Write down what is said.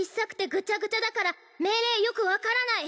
ぐちゃぐちゃだから命令よく分からない